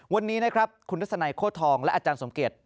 วันนี้คุณดัชนัยโคทรทองค์และอาจารย์สมเกียรติ